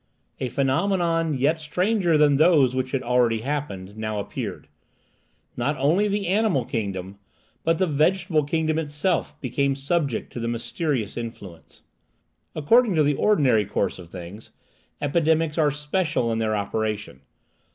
A phenomenon yet stranger than those which had already happened, now appeared; not only the animal kingdom, but the vegetable kingdom itself, became subject to the mysterious influence. According to the ordinary course of things, epidemics are special in their operation.